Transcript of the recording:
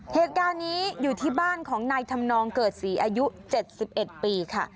เหตุการณ์นี้อยู่ที่บ้านของนายธรรมนองเกิดศรีอายุ๗๑ปีค่ะ